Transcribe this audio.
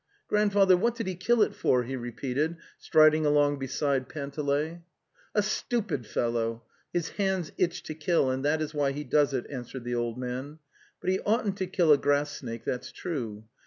222 The Tales of Chekhov '"' Grandfather, what did he kill it for?" he re peated, striding along beside Panteley. '"A stupid fellow. His hands itch to kill, and that is why he does it," answered the old man; " but he oughtn't' to) killa) enass snake, that's true. (20.